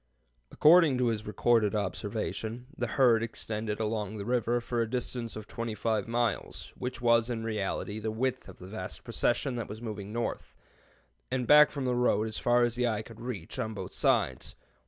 According to his recorded observation, the herd extended along the river for a distance of 25 miles, which was in reality the width of the vast procession that was moving north, and back from the road as far as the eye could reach, on both sides.